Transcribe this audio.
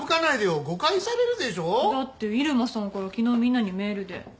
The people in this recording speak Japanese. だって入間さんから昨日みんなにメールで。